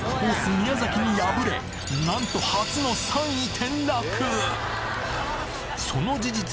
宮崎に敗れなんと初の３位転落！